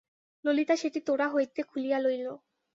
ললিতা সেটি তোড়া হইতে খুলিয়া লইল।